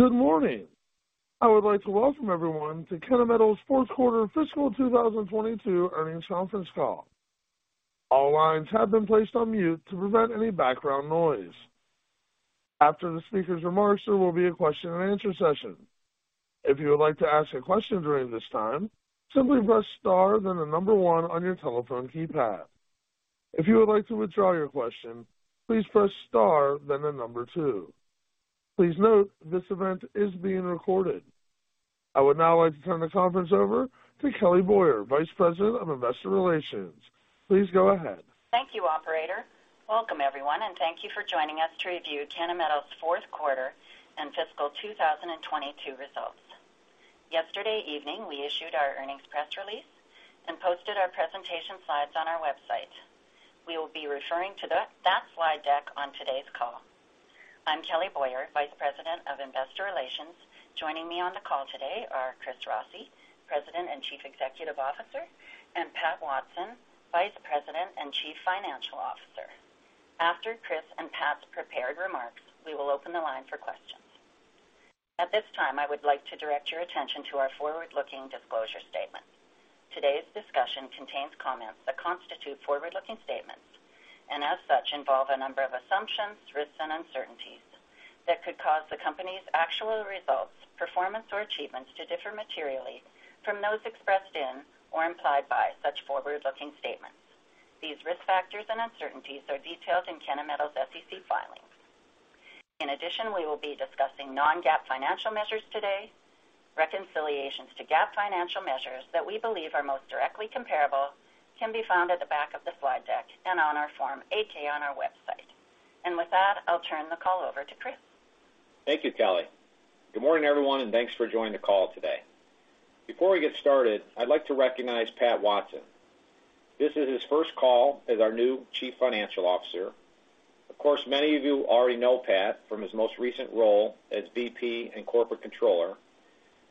Good morning. I would like to welcome everyone to Kennametal's Fourth Quarter Fiscal 2022 Earnings Conference Call. All lines have been placed on mute to prevent any background noise. After the speaker's remarks, there will be a question-and-answer session. If you would like to ask a question during this time, simply press star, then number one on your telephone keypad. If you would like to withdraw your question, please press star, then number two. Please note, this event is being recorded. I would now like to turn the conference over to Kelly Boyer, Vice President of Investor Relations. Please go ahead. Thank you, operator. Welcome, everyone, and thank you for joining us to review Kennametal's fourth quarter and fiscal 2022 results. Yesterday evening, we issued our earnings press release and posted our presentation slides on our website. We will be referring to that slide deck on today's call. I'm Kelly Boyer, Vice President of Investor Relations. Joining me on the call today are Chris Rossi, President and Chief Executive Officer, and Pat Watson, Vice President and Chief Financial Officer. After Chris and Pat's prepared remarks, we will open the line for questions. At this time, I would like to direct your attention to our forward-looking disclosure statement. Today's discussion contains comments that constitute forward-looking statements, and as such, involve a number of assumptions, risks, and uncertainties that could cause the company's actual results, performance, or achievements to differ materially from those expressed in or implied by such forward-looking statements. These risk factors and uncertainties are detailed in Kennametal's SEC filings. In addition, we will be discussing non-GAAP financial measures today. Reconciliations to GAAP financial measures that we believe are most directly comparable can be found at the back of the slide deck and on our Form 8-K on our website. With that, I'll turn the call over to Chris. Thank you, Kelly. Good morning, everyone, and thanks for joining the call today. Before we get started, I'd like to recognize Pat Watson. This is his first call as our new Chief Financial Officer. Of course, many of you already know Pat from his most recent role as VP and Corporate Controller,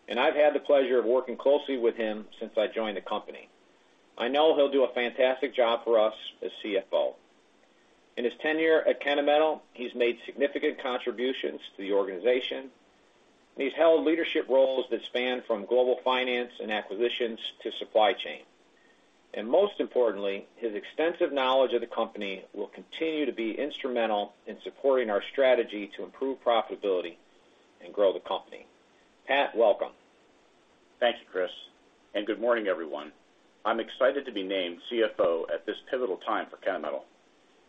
and I've had the pleasure of working closely with him since I joined the company. I know he'll do a fantastic job for us as CFO. In his tenure at Kennametal, he's made significant contributions to the organization. He's held leadership roles that span from global finance and acquisitions to supply chain. Most importantly, his extensive knowledge of the company will continue to be instrumental in supporting our strategy to improve profitability and grow the company. Pat, welcome. Thank you, Chris, and good morning, everyone. I'm excited to be named CFO at this pivotal time for Kennametal.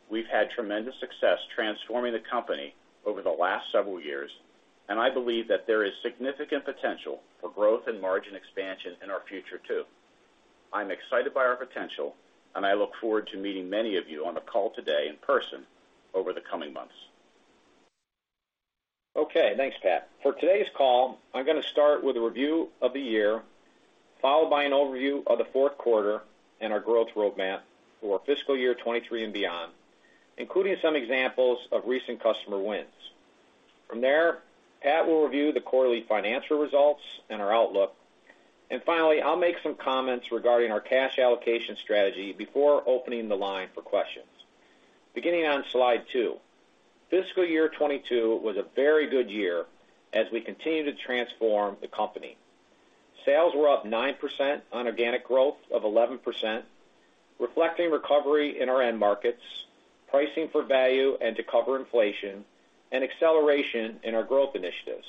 We've had tremendous success transforming the company over the last several years, and I believe that there is significant potential for growth and margin expansion in our future, too. I'm excited by our potential, and I look forward to meeting many of you on the call today in person over the coming months. Okay, thanks, Pat. For today's call, I'm gonna start with a review of the year, followed by an overview of the fourth quarter and our growth roadmap for fiscal year 2023 and beyond, including some examples of recent customer wins. From there, Pat will review the quarterly financial results and our outlook. Finally, I'll make some comments regarding our cash allocation strategy before opening the line for questions. Beginning on slide two. Fiscal year 2022 was a very good year as we continued to transform the company. Sales were up 9% on organic growth of 11%, reflecting recovery in our end markets, pricing for value and to cover inflation, and acceleration in our growth initiatives.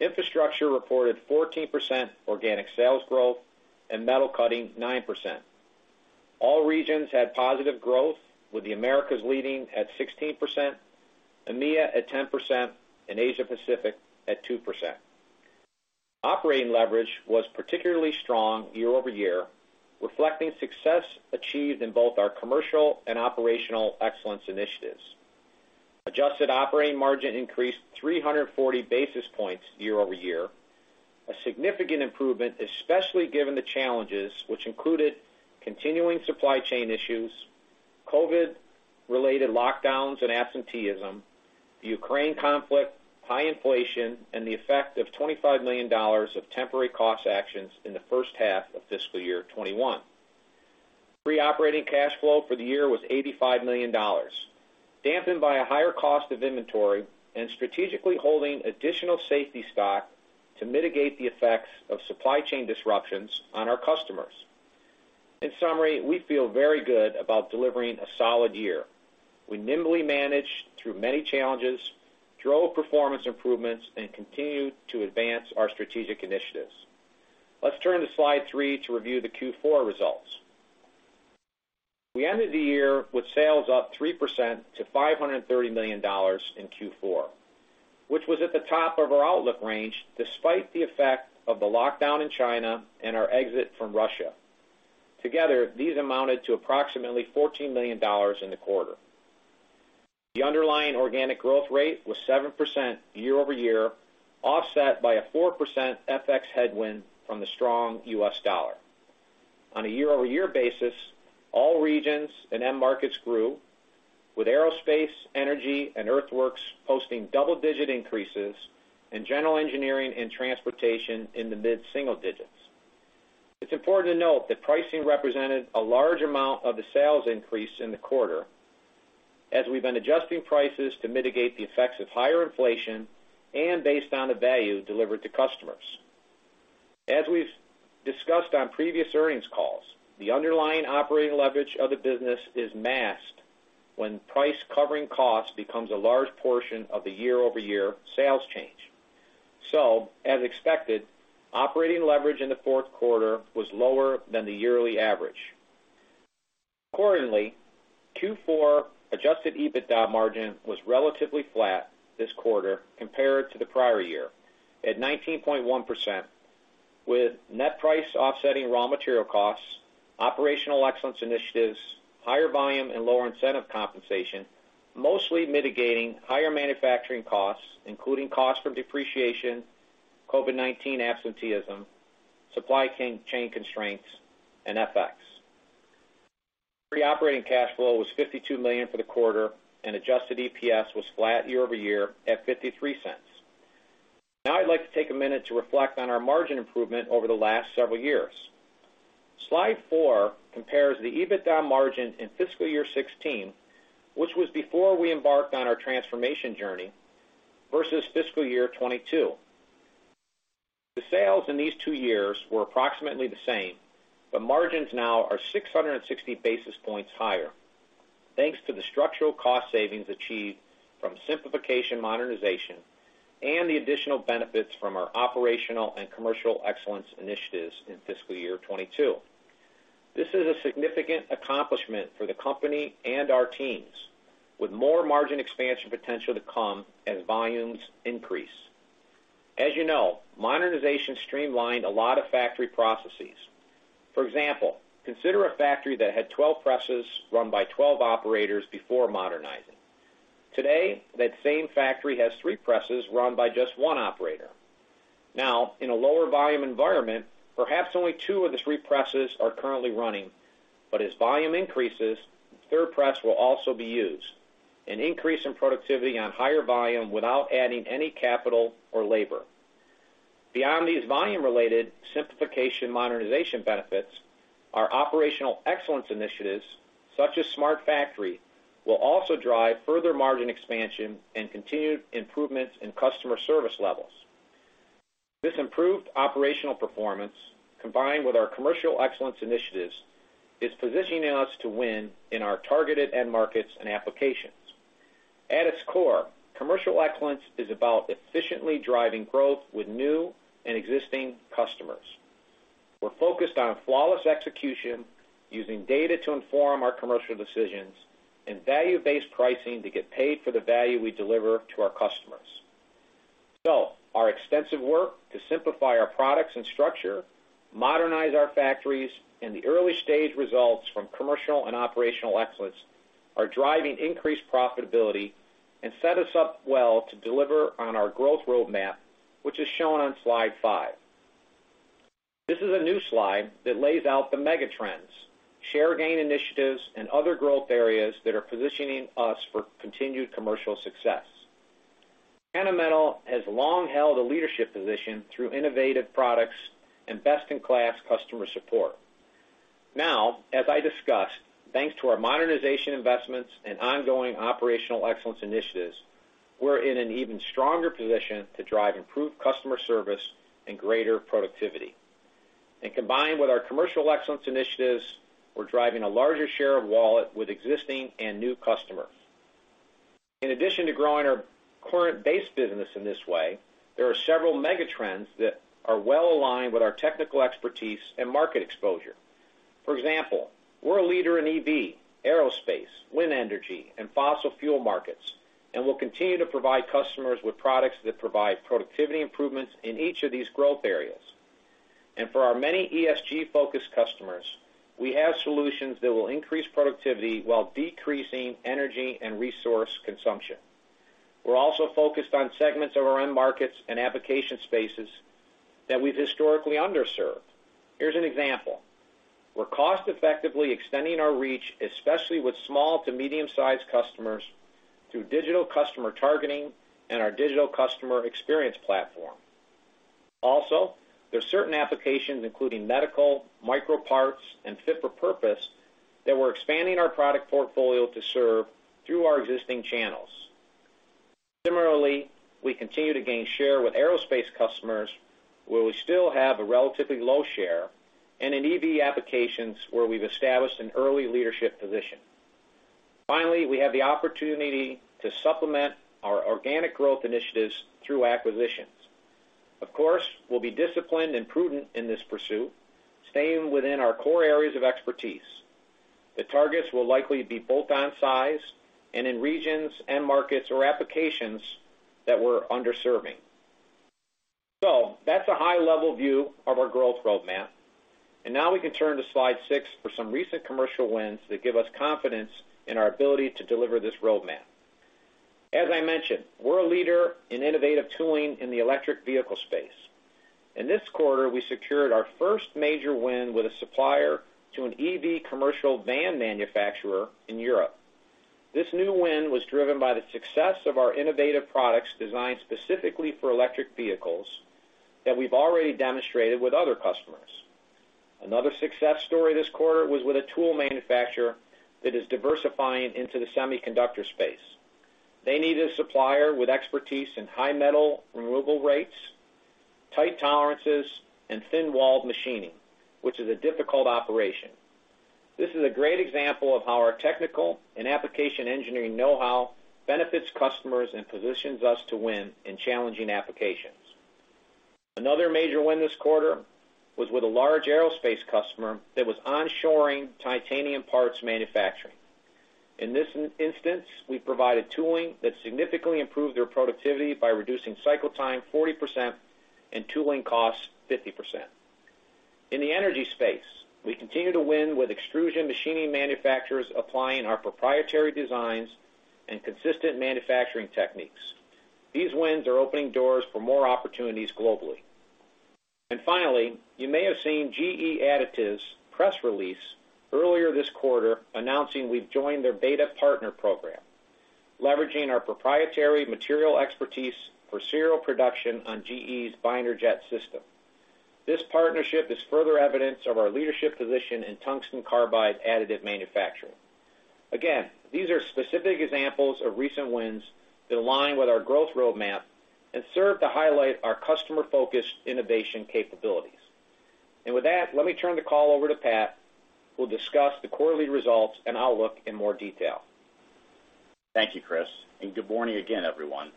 Infrastructure reported 14% organic sales growth and Metal Cutting 9%. All regions had positive growth, with the Americas leading at 16%, EMEA at 10%, and Asia Pacific at 2%. Operating leverage was particularly strong year-over-year, reflecting success achieved in both our commercial and operational excellence initiatives. Adjusted operating margin increased 340 basis points year-over-year, a significant improvement, especially given the challenges which included continuing supply chain issues, COVID-related lockdowns and absenteeism, the Ukraine conflict, high inflation, and the effect of $25 million of temporary cost actions in the first half of fiscal year 2021. Free operating cash flow for the year was $85 million, dampened by a higher cost of inventory and strategically holding additional safety stock to mitigate the effects of supply chain disruptions on our customers. In summary, we feel very good about delivering a solid year. We nimbly managed through many challenges, drove performance improvements, and continued to advance our strategic initiatives. Let's turn to slide three to review the Q4 results. We ended the year with sales up 3% to $530 million in Q4, which was at the top of our outlook range despite the effect of the lockdown in China and our exit from Russia. Together, these amounted to approximately $14 million in the quarter. The underlying organic growth rate was 7% year-over-year, offset by a 4% FX headwind from the strong US dollar. On a year-over-year basis, all regions and end markets grew, with aerospace, energy, and earthworks posting double-digit increases in general engineering and transportation in the mid-single digits. It's important to note that pricing represented a large amount of the sales increase in the quarter, as we've been adjusting prices to mitigate the effects of higher inflation and based on the value delivered to customers. As we've discussed on previous earnings calls, the underlying operating leverage of the business is masked when price-covering cost becomes a large portion of the year-over-year sales change. As expected, operating leverage in the fourth quarter was lower than the yearly average. Accordingly, Q4 Adjusted EBITDA margin was relatively flat this quarter compared to the prior year at 19.1%, with net price offsetting raw material costs, operational excellence initiatives, higher volume and lower incentive compensation, mostly mitigating higher manufacturing costs, including costs from depreciation, COVID-19 absenteeism, supply chain constraints, and FX. Free operating cash flow was $52 million for the quarter, and Adjusted EPS was flat year-over-year at $0.53. Now, I'd like to take a minute to reflect on our margin improvement over the last several years. Slide four compares the EBITDA margin in fiscal year 2016, which was before we embarked on our transformation journey, versus fiscal year 2022. The sales in these two years were approximately the same, but margins now are 660 basis points higher. Thanks to the structural cost savings achieved from Simplification/Modernization and the additional benefits from our operational and commercial excellence initiatives in fiscal year 2022. This is a significant accomplishment for the company and our teams, with more margin expansion potential to come as volumes increase. As you know, Modernization streamlined a lot of factory processes. For example, consider a factory that had 12 presses run by 12 operators before modernizing. Today, that same factory has three presses run by just one operator. Now, in a lower volume environment, perhaps only two of the three presses are currently running, but as volume increases, the third press will also be used, an increase in productivity on higher volume without adding any capital or labor. Beyond these volume-related Simplification/Modernization benefits, our operational excellence initiatives, such as Smart Factory, will also drive further margin expansion and continued improvements in customer service levels. This improved operational performance, combined with our commercial excellence initiatives, is positioning us to win in our targeted end markets and applications. At its core, commercial excellence is about efficiently driving growth with new and existing customers. We're focused on flawless execution using data to inform our commercial decisions and value-based pricing to get paid for the value we deliver to our customers. Our extensive work to simplify our products and structure, modernize our factories, and the early-stage results from commercial and operational excellence are driving increased profitability and set us up well to deliver on our growth roadmap, which is shown on slide five. This is a new slide that lays out the mega trends, share gain initiatives, and other growth areas that are positioning us for continued commercial success. Kennametal has long held a leadership position through innovative products and best-in-class customer support. Now, as I discussed, thanks to our modernization investments and ongoing operational excellence initiatives, we're in an even stronger position to drive improved customer service and greater productivity. Combined with our commercial excellence initiatives, we're driving a larger share of wallet with existing and new customers. In addition to growing our current base business in this way, there are several mega trends that are well-aligned with our technical expertise and market exposure. For example, we're a leader in EV, aerospace, wind energy, and fossil fuel markets, and we'll continue to provide customers with products that provide productivity improvements in each of these growth areas. For our many ESG-focused customers, we have solutions that will increase productivity while decreasing energy and resource consumption. We're also focused on segments of our end markets and application spaces that we've historically underserved. Here's an example. We're cost-effectively extending our reach, especially with small to medium-sized customers, through digital customer targeting and our digital customer experience platform. Also, there are certain applications, including medical, micro parts, and fit for purpose, that we're expanding our product portfolio to serve through our existing channels. Similarly, we continue to gain share with aerospace customers, where we still have a relatively low share, and in EV applications, where we've established an early leadership position. Finally, we have the opportunity to supplement our organic growth initiatives through acquisitions. Of course, we'll be disciplined and prudent in this pursuit, staying within our core areas of expertise. The targets will likely be bolt-on size and in regions, end markets, or applications that we're underserving. That's a high-level view of our growth roadmap. Now we can turn to slide six for some recent commercial wins that give us confidence in our ability to deliver this roadmap. As I mentioned, we're a leader in innovative tooling in the electric vehicle space. In this quarter, we secured our first major win with a supplier to an EV commercial van manufacturer in Europe. This new win was driven by the success of our innovative products designed specifically for electric vehicles that we've already demonstrated with other customers. Another success story this quarter was with a tool manufacturer that is diversifying into the semiconductor space. They needed a supplier with expertise in high metal removal rates, tight tolerances, and thin-walled machining, which is a difficult operation. This is a great example of how our technical and application engineering know-how benefits customers and positions us to win in challenging applications. Another major win this quarter was with a large aerospace customer that was onshoring titanium parts manufacturing. In this instance, we provided tooling that significantly improved their productivity by reducing cycle time 40% and tooling costs 50%. In the energy space, we continue to win with extrusion machining manufacturers applying our proprietary designs and consistent manufacturing techniques. These wins are opening doors for more opportunities globally. Finally, you may have seen GE Additive's press release earlier this quarter announcing we've joined their beta partner program, leveraging our proprietary material expertise for serial production on GE's Binder Jetting system. This partnership is further evidence of our leadership position in tungsten carbide additive manufacturing. Again, these are specific examples of recent wins that align with our growth roadmap and serve to highlight our customer-focused innovation capabilities. With that, let me turn the call over to Pat, who'll discuss the quarterly results and outlook in more detail. Thank you, Chris, and good morning again, everyone.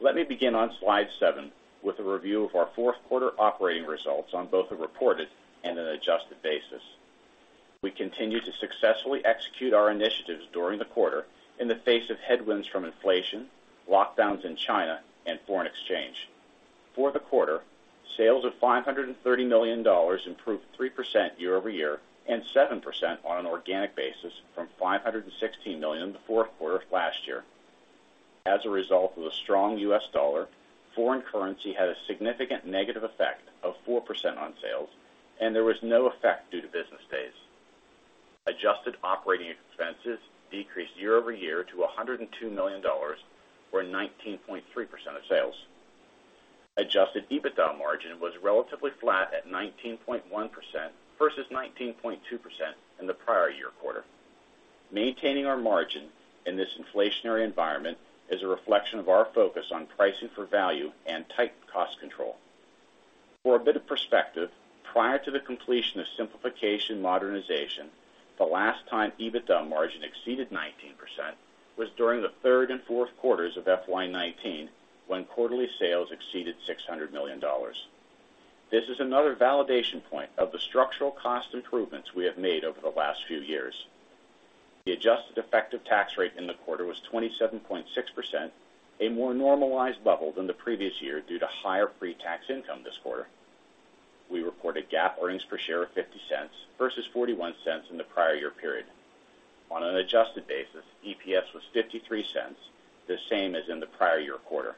Let me begin on slide seven with a review of our fourth quarter operating results on both a reported and an adjusted basis. We continued to successfully execute our initiatives during the quarter in the face of headwinds from inflation, lockdowns in China, and foreign exchange. For the quarter, sales of $530 million improved 3% year-over-year and 7% on an organic basis from $516 million in the fourth quarter of last year. As a result of the strong U.S. Dollar, foreign currency had a significant negative effect of 4% on sales, and there was no effect due to business days. Adjusted operating expenses decreased year-over-year to $102 million or 19.3% of sales. Adjusted EBITDA margin was relatively flat at 19.1% versus 19.2% in the prior year quarter. Maintaining our margin in this inflationary environment is a reflection of our focus on pricing for value and tight cost control. For a bit of perspective, prior to the completion of Simplification/Modernization, the last time EBITDA margin exceeded 19% was during the third and fourth quarters of FY 2019 when quarterly sales exceeded $600 million. This is another validation point of the structural cost improvements we have made over the last few years. The adjusted effective tax rate in the quarter was 27.6%, a more normalized level than the previous year due to higher pre-tax income this quarter. We reported GAAP earnings per share of $0.50 versus $0.41 in the prior year period. On an adjusted basis, EPS was $0.53, the same as in the prior year quarter.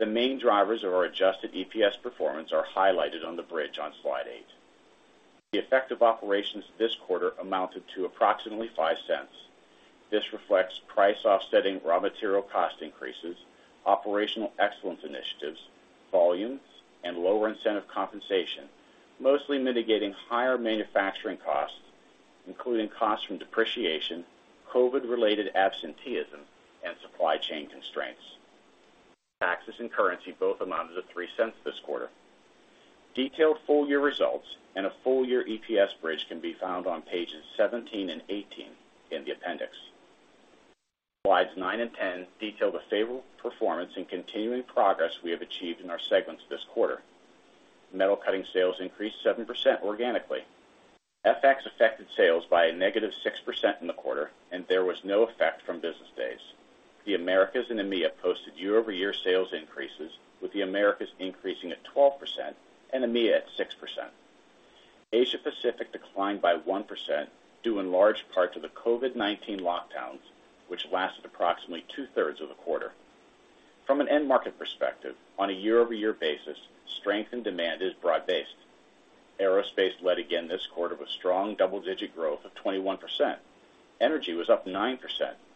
The main drivers of our Adjusted EPS performance are highlighted on the bridge on slide eight. The effect of operations this quarter amounted to approximately $0.05. This reflects price offsetting raw material cost increases, operational excellence initiatives, volumes, and lower incentive compensation, mostly mitigating higher manufacturing costs, including costs from depreciation, COVID-related absenteeism, and supply chain constraints. Taxes and currency both amounted to $0.03 this quarter. Detailed full year results and a full year EPS bridge can be found on pages 17 and 18 in the appendix. Slides nine and 10 detail the favorable performance and continuing progress we have achieved in our segments this quarter. Metal Cutting sales increased 7% organically. FX affected sales by -6% in the quarter, and there was no effect from business days. The Americas and EMEA posted year-over-year sales increases, with the Americas increasing at 12% and EMEA at 6%. Asia Pacific declined by 1%, due in large part to the COVID-19 lockdowns, which lasted approximately two-thirds of the quarter. From an end market perspective, on a year-over-year basis, strength and demand is broad-based. Aerospace led again this quarter with strong double-digit growth of 21%. Energy was up 9%,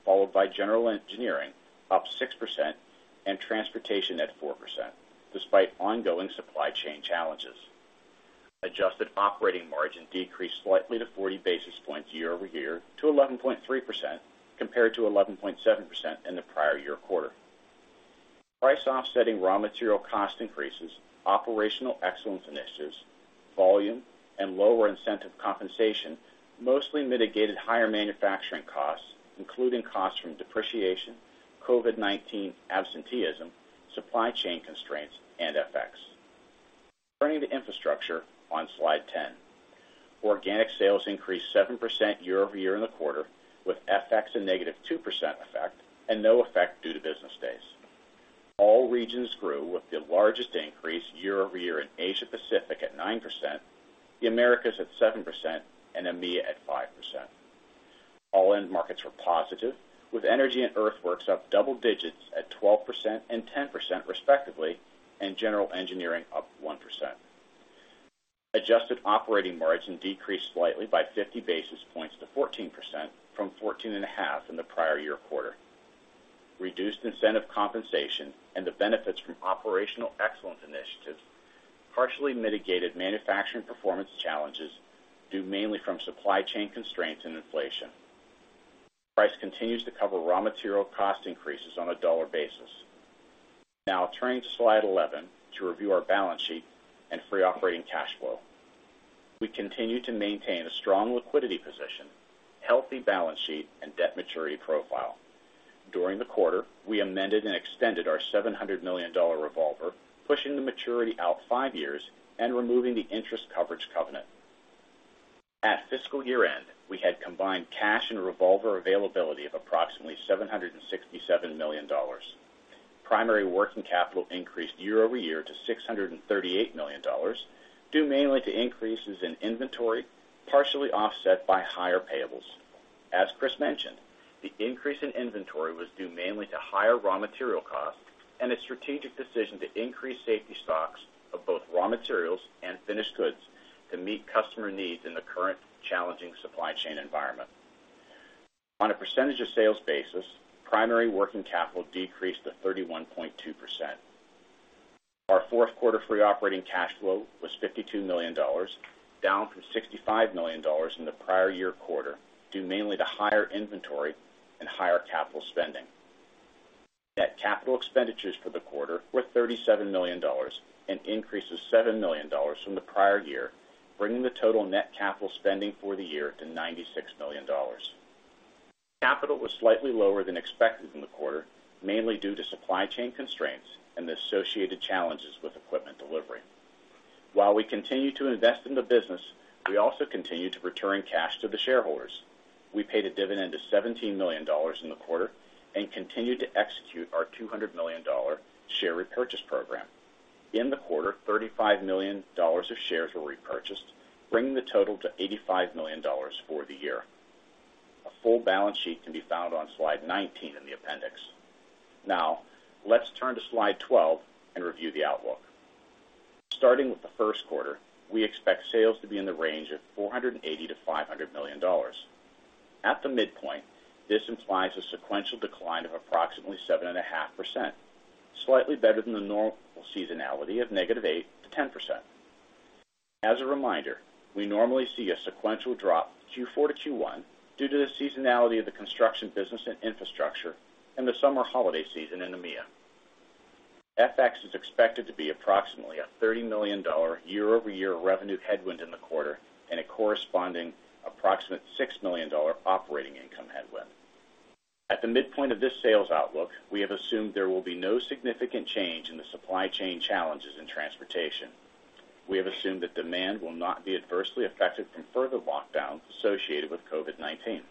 followed by general engineering up 6% and transportation at 4%, despite ongoing supply chain challenges. Adjusted operating margin decreased slightly to 40 basis points year-over-year to 11.3%, compared to 11.7% in the prior year quarter. Price offsetting raw material cost increases, operational excellence initiatives, volume, and lower incentive compensation mostly mitigated higher manufacturing costs, including costs from depreciation, COVID-19 absenteeism, supply chain constraints, and FX. Turning to Infrastructure on slide 10. Organic sales increased 7% year-over-year in the quarter, with FX a -2% effect and no effect due to business days. All regions grew, with the largest increase year-over-year in Asia Pacific at 9%, the Americas at 7%, and EMEA at 5%. All end markets were positive, with energy and earthworks up double digits at 12% and 10% respectively, and general engineering up 1%. Adjusted operating margin decreased slightly by 50 basis points to 14% from 14.5% in the prior year quarter. Reduced incentive compensation and the benefits from operational excellence initiatives partially mitigated manufacturing performance challenges, due mainly from supply chain constraints and inflation. Price continues to cover raw material cost increases on a dollar basis. Now turning to slide 11 to review our balance sheet and free operating cash flow. We continue to maintain a strong liquidity position, healthy balance sheet, and debt maturity profile. During the quarter, we amended and extended our $700 million revolver, pushing the maturity out five years and removing the interest coverage covenant. At fiscal year-end, we had combined cash and revolver availability of approximately $767 million. Primary working capital increased year-over-year to $638 million, due mainly to increases in inventory, partially offset by higher payables. As Chris mentioned, the increase in inventory was due mainly to higher raw material costs and a strategic decision to increase safety stocks of both raw materials and finished goods to meet customer needs in the current challenging supply chain environment. On a percentage of sales basis, primary working capital decreased to 31.2%. Our fourth quarter free operating cash flow was $52 million, down from $65 million in the prior year quarter, due mainly to higher inventory and higher capital spending. Net capital expenditures for the quarter were $37 million, an increase of $7 million from the prior year, bringing the total net capital spending for the year to $96 million. Capital was slightly lower than expected in the quarter, mainly due to supply chain constraints and the associated challenges with equipment delivery. While we continue to invest in the business, we also continue to return cash to the shareholders. We paid a dividend of $17 million in the quarter and continued to execute our $200 million share repurchase program. In the quarter, $35 million of shares were repurchased, bringing the total to $85 million for the year. A full balance sheet can be found on slide 19 in the appendix. Now, let's turn to slide 12 and review the outlook. Starting with the first quarter, we expect sales to be in the range of $480 million-$500 million. At the midpoint, this implies a sequential decline of approximately 7.5%, slightly better than the normal seasonality of -8% to -10%. As a reminder, we normally see a sequential drop Q4 to Q1 due to the seasonality of the construction business and infrastructure and the summer holiday season in EMEA. FX is expected to be approximately a $30 million year-over-year revenue headwind in the quarter and a corresponding approximate $6 million operating income headwind. At the midpoint of this sales outlook, we have assumed there will be no significant change in the supply chain challenges in transportation. We have assumed that demand will not be adversely affected from further lockdowns associated with COVID-19.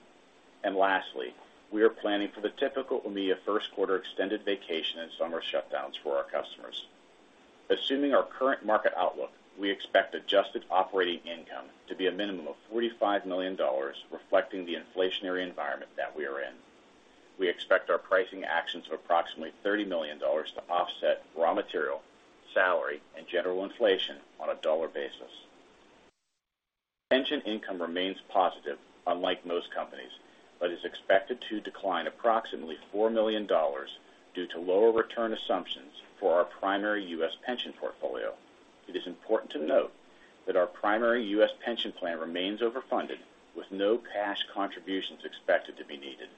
Lastly, we are planning for the typical EMEA first quarter extended vacation and summer shutdowns for our customers. Assuming our current market outlook, we expect adjusted operating income to be a minimum of $45 million, reflecting the inflationary environment that we are in. We expect our pricing actions of approximately $30 million to offset raw material, salary, and general inflation on a dollar basis. Pension income remains positive, unlike most companies, but is expected to decline approximately $4 million due to lower return assumptions for our primary U.S. pension portfolio. It is important to note that our primary U.S. pension plan remains overfunded with no cash contributions expected to be needed.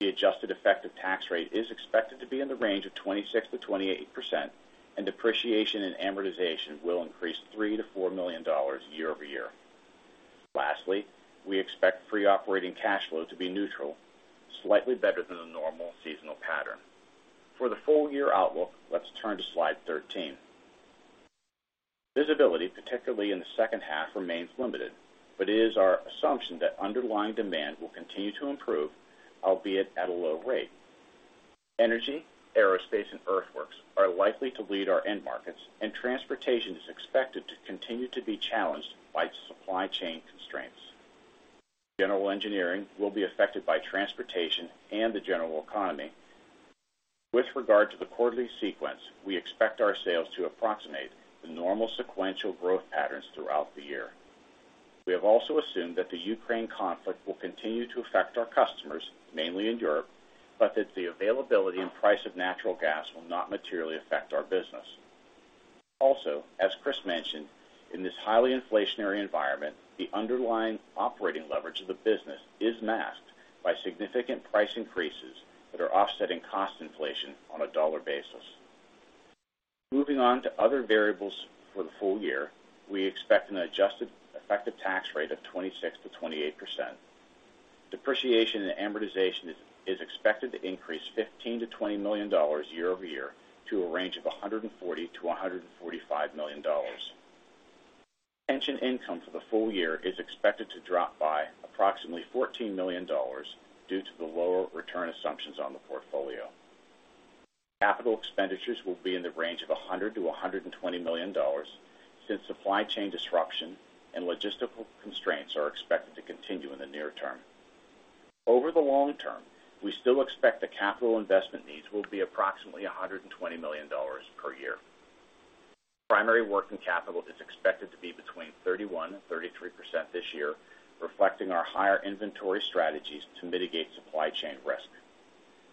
The adjusted effective tax rate is expected to be in the range of 26%-28%, and depreciation and amortization will increase $3 million-$4 million year-over-year. Lastly, we expect free operating cash flow to be neutral, slightly better than the normal seasonal pattern. For the full year outlook, let's turn to slide 13. Visibility, particularly in the second half, remains limited, but it is our assumption that underlying demand will continue to improve, albeit at a low rate. Energy, aerospace, and earthworks are likely to lead our end markets, and transportation is expected to continue to be challenged by supply chain constraints. General engineering will be affected by transportation and the general economy. With regard to the quarterly sequence, we expect our sales to approximate the normal sequential growth patterns throughout the year. We have also assumed that the Ukraine conflict will continue to affect our customers, mainly in Europe, but that the availability and price of natural gas will not materially affect our business. Also, as Chris mentioned, in this highly inflationary environment, the underlying operating leverage of the business is masked by significant price increases that are offsetting cost inflation on a dollar basis. Moving on to other variables for the full year, we expect an adjusted effective tax rate of 26%-28%. Depreciation and amortization is expected to increase $15 million-$20 million year-over-year to a range of $140 million-$145 million. Pension income for the full year is expected to drop by approximately $14 million due to the lower return assumptions on the portfolio. Capital expenditures will be in the range of $100 million-$120 million since supply chain disruption and logistical constraints are expected to continue in the near term. Over the long term, we still expect the capital investment needs will be approximately $120 million per year. Primary working capital is expected to be between 31%-33% this year, reflecting our higher inventory strategies to mitigate supply chain risk.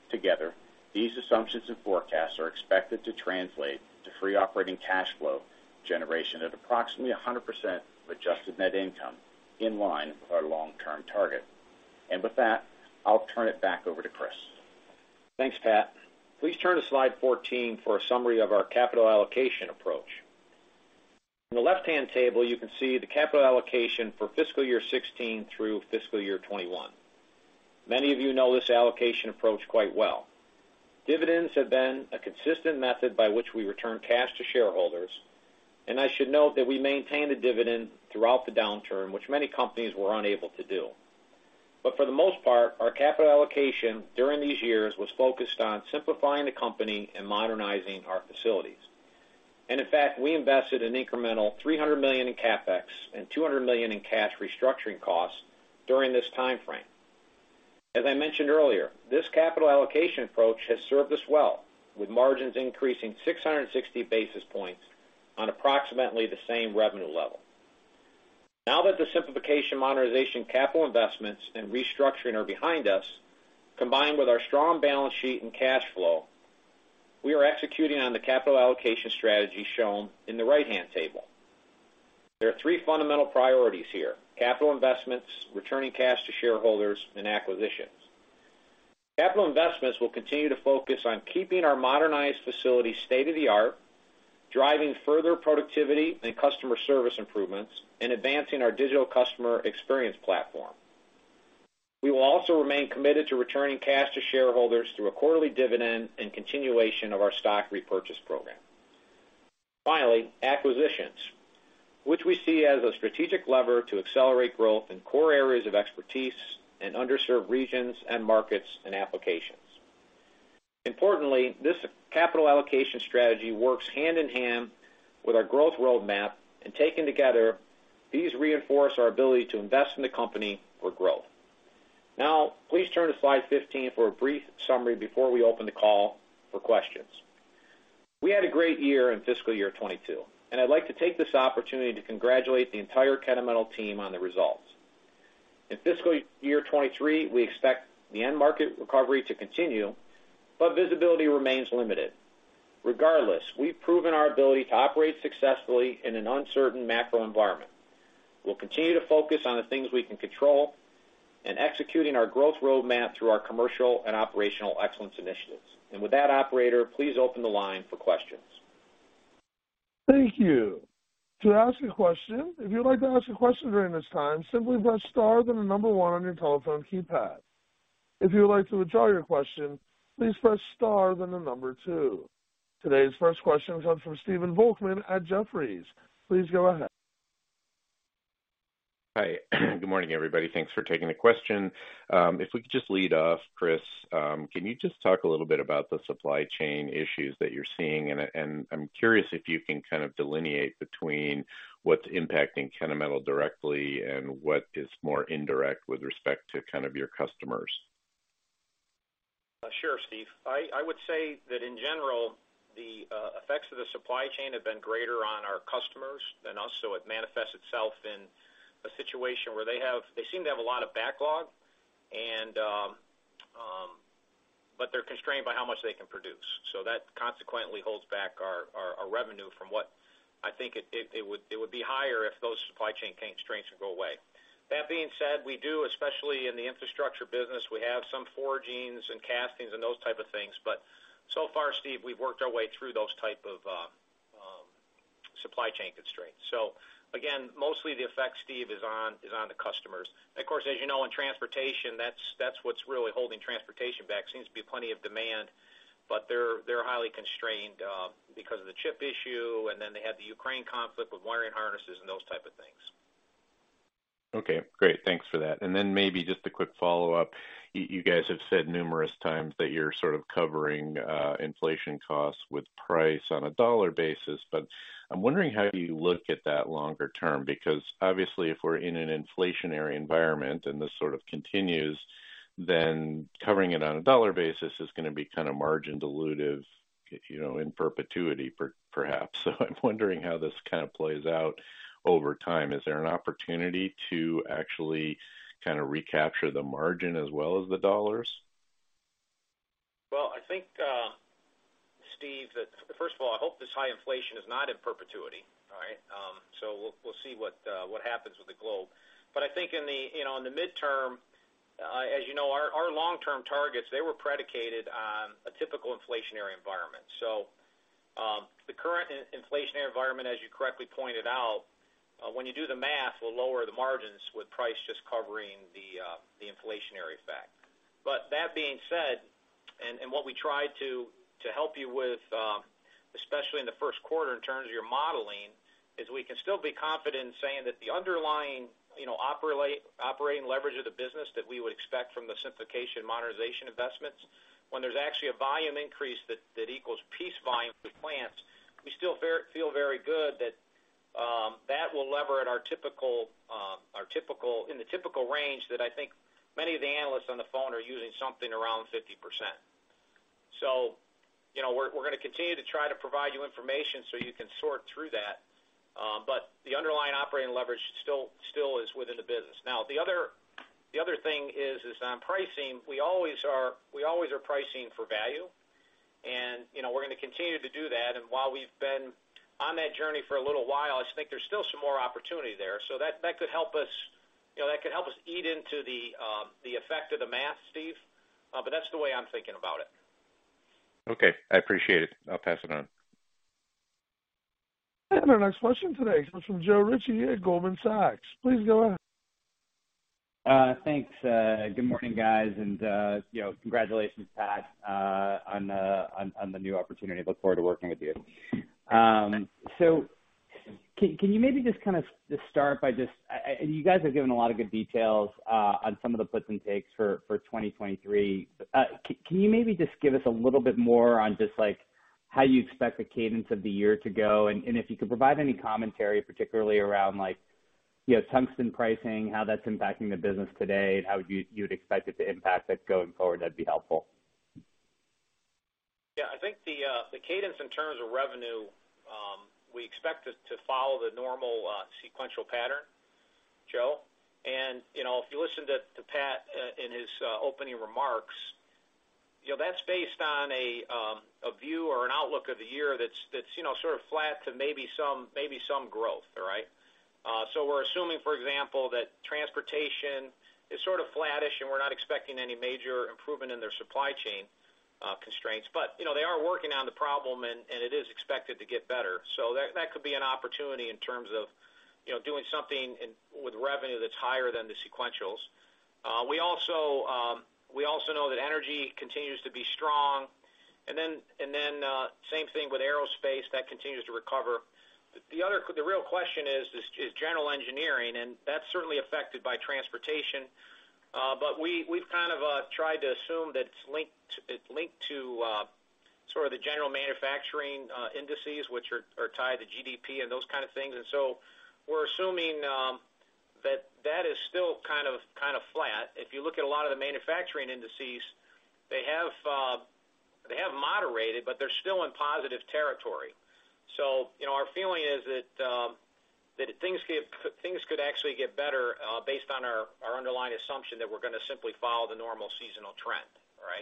Together, these assumptions and forecasts are expected to translate to free operating cash flow generation at approximately 100% of adjusted net income, in line with our long-term target. With that, I'll turn it back over to Chris. Thanks, Pat. Please turn to slide 14 for a summary of our capital allocation approach. On the left-hand table, you can see the capital allocation for fiscal year 2016 through fiscal year 2021. Many of you know this allocation approach quite well. Dividends have been a consistent method by which we return cash to shareholders, and I should note that we maintained a dividend throughout the downturn, which many companies were unable to do. For the most part, our capital allocation during these years was focused on simplifying the company and modernizing our facilities. In fact, we invested an incremental $300 million in CapEx and $200 million in cash restructuring costs during this time frame. As I mentioned earlier, this capital allocation approach has served us well, with margins increasing 660 basis points on approximately the same revenue level. Now that the Simplification/Modernization, capital investments, and restructuring are behind us, combined with our strong balance sheet and cash flow, we are executing on the capital allocation strategy shown in the right-hand table. There are three fundamental priorities here, capital investments, returning cash to shareholders, and acquisitions. Capital investments will continue to focus on keeping our modernized facilities state-of-the-art, driving further productivity and customer service improvements, and advancing our digital customer experience platform. We will also remain committed to returning cash to shareholders through a quarterly dividend and continuation of our stock repurchase program. Finally, acquisitions, which we see as a strategic lever to accelerate growth in core areas of expertise in underserved regions and markets and applications. Importantly, this capital allocation strategy works hand in hand with our growth roadmap, and taken together, these reinforce our ability to invest in the company for growth. Now, please turn to slide 15 for a brief summary before we open the call for questions. We had a great year in fiscal year 2022, and I'd like to take this opportunity to congratulate the entire Kennametal team on the results. In fiscal year 2023, we expect the end market recovery to continue, but visibility remains limited. Regardless, we've proven our ability to operate successfully in an uncertain macro environment. We'll continue to focus on the things we can control and executing our growth roadmap through our commercial and operational excellence initiatives. With that, operator, please open the line for questions. Thank you. To ask a question, if you'd like to ask a question during this time, simply press star, then the number one on your telephone keypad. If you would like to withdraw your question, please press star, then the number two. Today's first question comes from Stephen Volkmann at Jefferies. Please go ahead. Hi. Good morning, everybody. Thanks for taking the question. If we could just lead off, Chris, can you just talk a little bit about the supply chain issues that you're seeing? I'm curious if you can kind of delineate between what's impacting Kennametal directly and what is more indirect with respect to kind of your customers. Sure, Steve. I would say that in general, the effects of the supply chain have been greater on our customers than us, so it manifests itself in a situation where they seem to have a lot of backlog and but they're constrained by how much they can produce. So that consequently holds back our revenue from what I think it would be higher if those supply chain constraints would go away. That being said, we do, especially in the Infrastructure business, have some forgings and castings and those type of things, but so far, Steve, we've worked our way through those type of supply chain constraints. So again, mostly the effect, Steve, is on the customers. Of course, as you know, in transportation, that's what's really holding transportation back. Seems to be plenty of demand, but they're highly constrained because of the chip issue, and then they have the Ukraine conflict with wiring harnesses and those type of things. Okay. Great. Thanks for that. Maybe just a quick follow-up. You guys have said numerous times that you're sort of covering inflation costs with price on a dollar basis, but I'm wondering how you look at that longer term, because obviously, if we're in an inflationary environment and this sort of continues, then covering it on a dollar basis is gonna be kind of margin dilutive, you know, in perpetuity perhaps. I'm wondering how this kind of plays out over time. Is there an opportunity to actually kind of recapture the margin as well as the dollars? Well, I think, Steve, that first of all, I hope this high inflation is not in perpetuity, all right? We'll see what happens with the global. I think in the, you know, in the medium term, as you know, our long-term targets, they were predicated on a typical inflationary environment. The current inflationary environment, as you correctly pointed out, when you do the math, will lower the margins with pricing just covering the inflationary effect. That being said, what we try to help you with, especially in the first quarter in terms of your modeling, is we can still be confident in saying that the underlying, you know, operating leverage of the business that we would expect from the Simplification/Modernization investments, when there's actually a volume increase that equals piece volume through the plants, we still feel very good that that will lever at our typical in the typical range that I think many of the analysts on the phone are using something around 50%. You know, we're gonna continue to try to provide you information so you can sort through that, but the underlying operating leverage still is within the business. The other thing is on pricing. We always are pricing for value. You know, we're gonna continue to do that. While we've been on that journey for a little while, I think there's still some more opportunity there. That could help us, you know, eat into the effect of the math, Steve. But that's the way I'm thinking about it. Okay. I appreciate it. I'll pass it on. Our next question today comes from Joe Ritchie at Goldman Sachs. Please go ahead. Thanks. Good morning, guys. You know, congratulations, Pat, on the new opportunity. Look forward to working with you. You guys have given a lot of good details on some of the puts and takes for 2023. Can you maybe just give us a little bit more on just, like, how you expect the cadence of the year to go? If you could provide any commentary, particularly around, like, you know, tungsten pricing, how that's impacting the business today, and how you'd expect it to impact it going forward, that'd be helpful. Yeah. I think the cadence in terms of revenue we expect it to follow the normal sequential pattern, Joe. You know, if you listen to Pat in his opening remarks, you know, that's based on a view or an outlook of the year that's you know sort of flat to maybe some growth. All right? We're assuming, for example, that transportation is sort of flattish, and we're not expecting any major improvement in their supply chain constraints. You know, they are working on the problem, and it is expected to get better. That could be an opportunity in terms of you know doing something with revenue that's higher than the sequentials. We also know that energy continues to be strong. Same thing with aerospace, that continues to recover. The other. The real question is general engineering, and that's certainly affected by transportation. We have kind of tried to assume that it's linked to sort of the general manufacturing indices, which are tied to GDP and those kind of things. We're assuming that that is still kind of flat. If you look at a lot of the manufacturing indices, they have moderated, but they're still in positive territory. You know, our feeling is that things could actually get better based on our underlying assumption that we're gonna simply follow the normal seasonal trend. All right.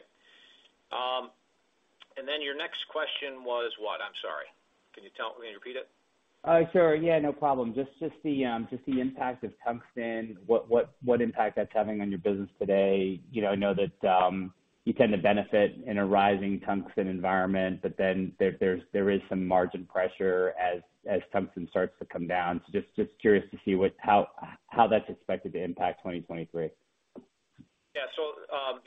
Your next question was what? I'm sorry. Can you repeat it? Sure. Yeah, no problem. Just the impact of tungsten, what impact that's having on your business today. You know, I know that you tend to benefit in a rising tungsten environment, but there is some margin pressure as tungsten starts to come down. Just curious to see how that's expected to impact 2023. Yeah.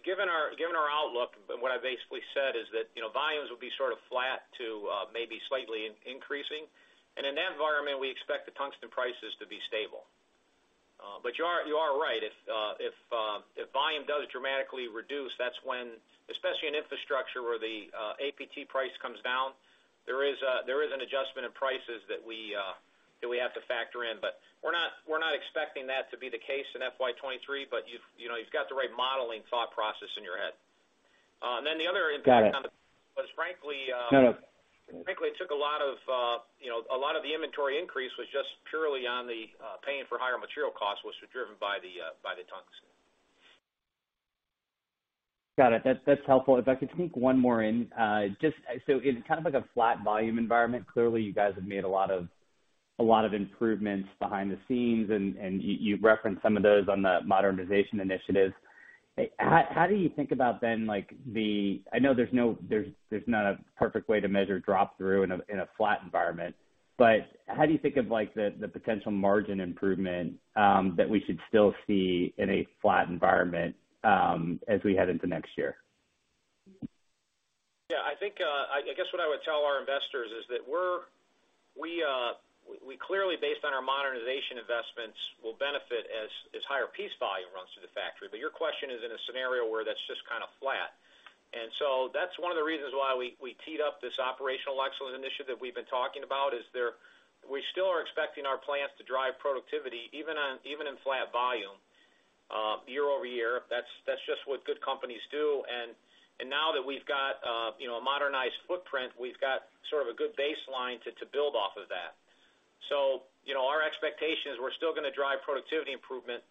Given our outlook, what I basically said is that, you know, volumes will be sort of flat to, maybe slightly increasing. In that environment, we expect the tungsten prices to be stable. You are right. If volume does dramatically reduce, that's when, especially in Infrastructure where the APT price comes down, there is an adjustment in prices that we have to factor in. We're not expecting that to be the case in FY 2023, but you've, you know, got the right modeling thought process in your head. The other impact on the Got it. But frankly, um- No, no. Frankly, it took a lot of, you know, the inventory increase was just purely on paying for higher material costs, which was driven by the tungsten. Got it. That's helpful. If I could sneak one more in, just so it's kind of like a flat volume environment. Clearly, you guys have made a lot of improvements behind the scenes, and you referenced some of those on the modernization initiatives. How do you think about then, like, I know there's not a perfect way to measure drop through in a flat environment. But how do you think of, like, the potential margin improvement that we should still see in a flat environment, as we head into next year? Yeah. I think, I guess what I would tell our investors is that we're clearly, based on our modernization investments, will benefit as higher piece volume runs through the factory. Your question is in a scenario where that's just kind of flat. That's one of the reasons why we teed up this operational excellence initiative we've been talking about. We still are expecting our plants to drive productivity even in flat volume year-over-year. That's just what good companies do. Now that we've got, you know, a modernized footprint, we've got sort of a good baseline to build off of that. You know, our expectation is we're still gonna drive productivity improvement.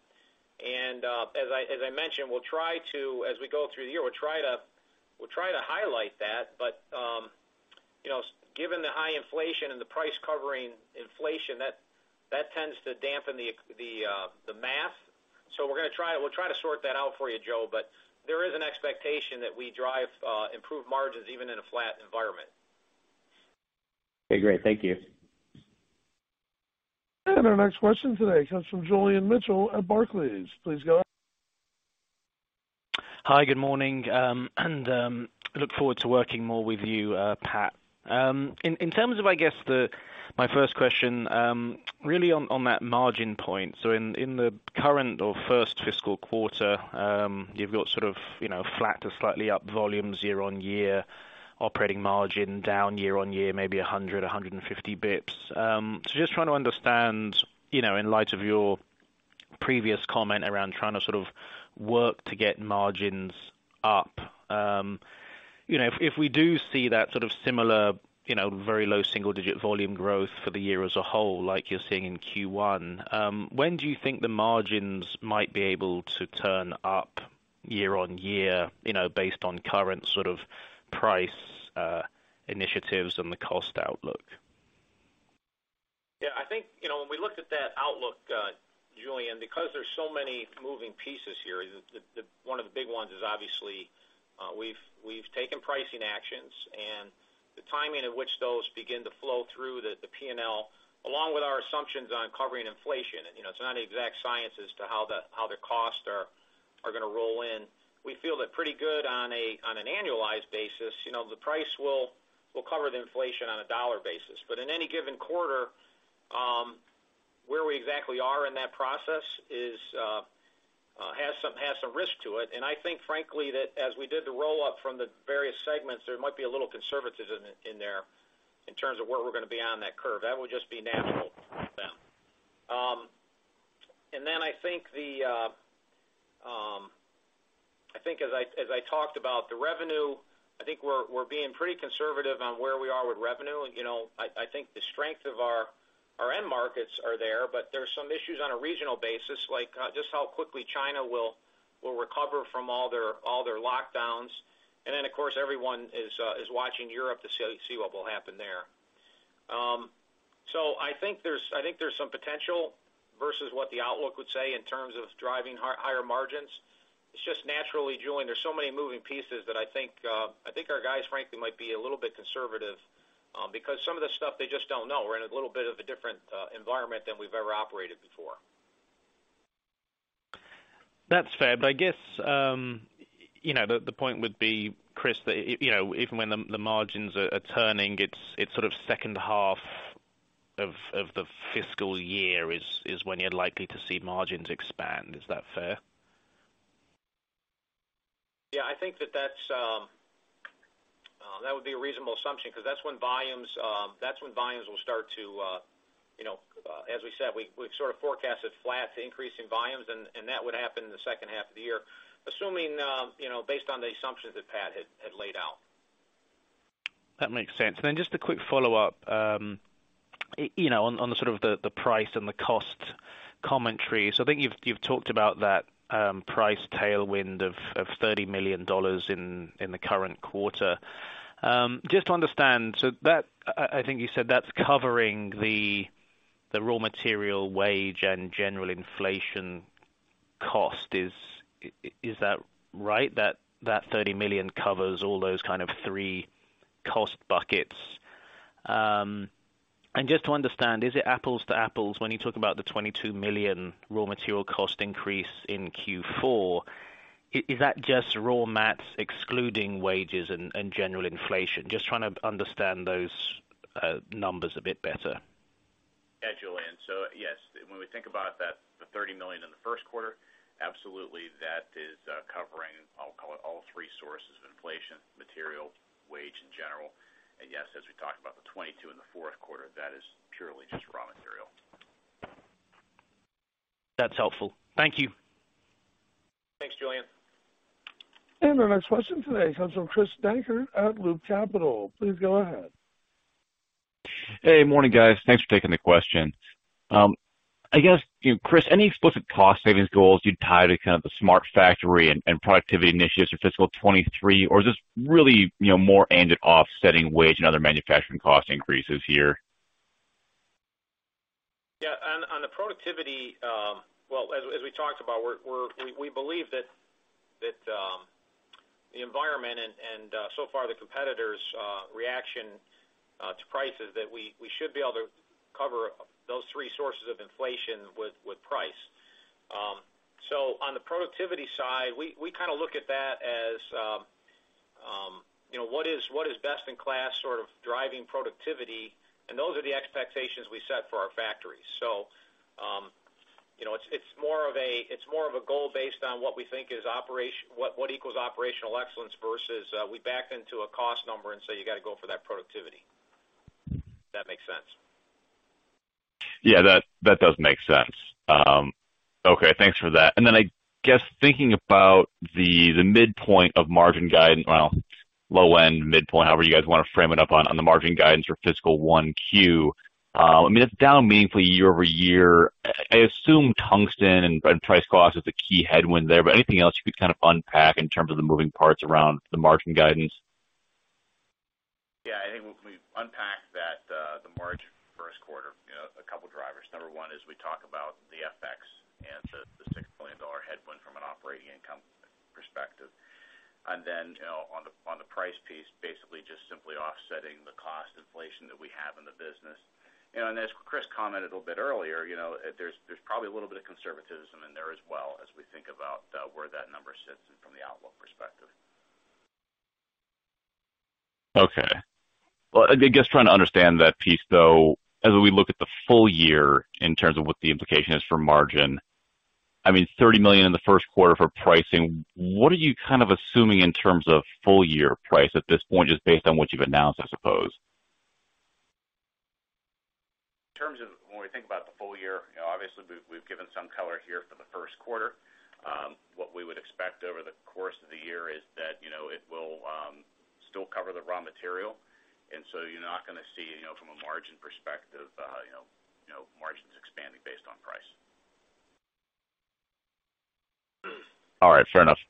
As I mentioned, we'll try to highlight that as we go through the year. You know, given the high inflation and the price covering inflation, that tends to dampen the math. We'll try to sort that out for you, Joe, but there is an expectation that we drive improved margins even in a flat environment. Okay, great. Thank you. Our next question today comes from Julian Mitchell at Barclays. Please go ahead. Hi. Good morning. Look forward to working more with you, Pat. In terms of, I guess my first question, really on that margin point. In the current or first fiscal quarter, you've got sort of, you know, flat to slightly up volumes year-on-year, operating margin down year-on-year, maybe 150 basis points. Just trying to understand, you know, in light of your previous comment around trying to sort of work to get margins up. You know, if we do see that sort of similar, you know, very low single digit volume growth for the year as a whole, like you're seeing in Q1, when do you think the margins might be able to turn up year-on-year, you know, based on current sort of price initiatives and the cost outlook? Yeah, I think, you know, when we looked at that outlook, Julian, because there's so many moving pieces here, one of the big ones is obviously, we've taken pricing actions and the timing in which those begin to flow through the P&L, along with our assumptions on covering inflation. You know, it's not an exact science as to how the costs are gonna roll in. We feel that pretty good on an annualized basis, you know, the price will cover the inflation on a dollar basis. In any given quarter, where we exactly are in that process has some risk to it. I think frankly, that as we did the roll-up from the various segments, there might be a little conservatism in there in terms of where we're gonna be on that curve. That would just be natural for them. I think as I talked about the revenue, I think we're being pretty conservative on where we are with revenue. You know, I think the strength of our end markets are there, but there's some issues on a regional basis, like just how quickly China will recover from all their lockdowns. Of course, everyone is watching Europe to see what will happen there. I think there's some potential versus what the outlook would say in terms of driving higher margins. It's just naturally, Julian, there's so many moving pieces that I think our guys frankly might be a little bit conservative, because some of the stuff they just don't know. We're in a little bit of a different environment than we've ever operated before. That's fair. I guess, you know, the point would be, Chris, that, you know, even when the margins are turning, it's sort of second half of the fiscal year is when you're likely to see margins expand. Is that fair? Yeah, I think that that would be a reasonable assumption 'cause that's when volumes will start to, you know, as we said, we've sort of forecasted flat to increasing volumes, and that would happen in the second half of the year, assuming, you know, based on the assumptions that Pat had laid out. That makes sense. Just a quick follow-up, you know, on the sort of price and the cost commentary. I think you've talked about that price tailwind of $30 million in the current quarter. Just to understand, I think you said that's covering the raw material wage and general inflation cost. Is that right? That $30 million covers all those kind of three cost buckets? Just to understand, is it apples to apples when you talk about the $22 million raw material cost increase in Q4? Is that just raw mats excluding wages and general inflation? Just trying to understand those numbers a bit better. Yeah, Julian. Yes, when we think about that, the $30 million in the first quarter, absolutely, that is covering. I'll call it all three sources of inflation, material, wage, and general. Yes, as we talked about the $22 million in the fourth quarter, that is purely just raw material. That's helpful. Thank you. Thanks, Julian. Our next question today comes from Chris Dankert at Loop Capital. Please go ahead. Hey, morning, guys. Thanks for taking the question. I guess, you know, Chris, any explicit cost savings goals you'd tie to kind of the Smart Factory and productivity initiatives for fiscal 2023, or is this really, you know, more aimed at offsetting wage and other manufacturing cost increases here? Yeah. On the productivity. Well, as we talked about, we believe that the environment and so far the competitors' reaction to prices that we should be able to cover those three sources of inflation with price. On the productivity side, we kind of look at that as you know, what is best in class sort of driving productivity, and those are the expectations we set for our factories. You know, it's more of a goal based on what we think is what equals operational excellence versus we back into a cost number and say, you gotta go for that productivity, if that makes sense. Yeah, that does make sense. Okay, thanks for that. I guess thinking about the midpoint of margin guidance, well, low end, midpoint, however you guys wanna frame it up on the margin guidance for fiscal 1Q, I mean, it's down meaningfully year-over-year. I assume tungsten and price cost is the key headwind there, but anything else you could kind of unpack in terms of the moving parts around the margin guidance? Yeah. I think when we unpack that, the margin first quarter, you know, a couple drivers. Number one is we talk about the FX and the $6 million headwind from an operating income perspective. Then, you know, on the price piece, basically just simply offsetting the cost inflation that we have in the business. You know, and as Chris commented a little bit earlier, you know, there's probably a little bit of conservatism in there as well as we think about where that number sits from the outlook perspective. Okay. Well, I guess trying to understand that piece though, as we look at the full year in terms of what the implication is for margin, I mean, $30 million in the first quarter for pricing, what are you kind of assuming in terms of full year pricing at this point, just based on what you've announced, I suppose? In terms of when we think about the full year, you know, obviously, we've given some color here for the first quarter. What we would expect over the course of the year is that, you know, it will still cover the raw material, and so you're not gonna see, you know, from a margin perspective, you know, margins expanding based on price. All right, fair enough.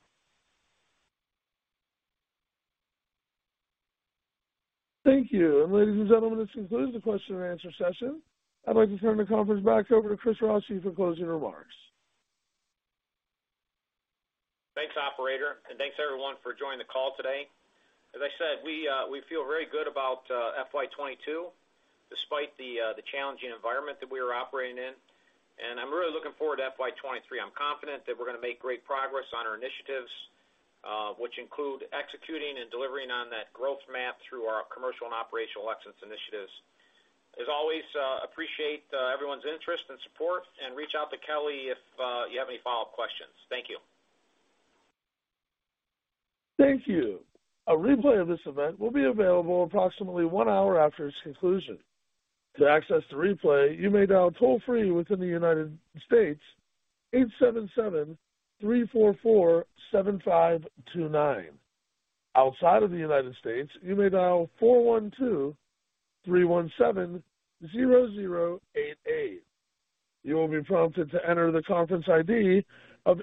Thank you. Ladies and gentlemen, this concludes the question-and-answer session. I'd like to turn the conference back over to Chris Rossi for closing remarks. Thanks, operator, and thanks everyone for joining the call today. As I said, we feel very good about FY 2022 despite the challenging environment that we are operating in. I'm really looking forward to FY 2023. I'm confident that we're gonna make great progress on our initiatives, which include executing and delivering on that growth map through our commercial and operational excellence initiatives. As always, appreciate everyone's interest and support and reach out to Kelly if you have any follow-up questions. Thank you. Thank you. A replay of this event will be available approximately one hour after its conclusion. To access the replay, you may dial toll-free within the United States, 877-344-7529. Outside of the United States, you may dial 412-317-0088. You will be prompted to enter the conference ID of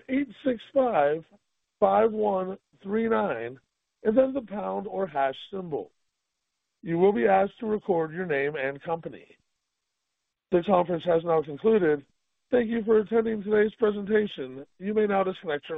8655139 and then the pound or hash symbol. You will be asked to record your name and company. This conference has now concluded. Thank you for attending today's presentation. You may now disconnect your line.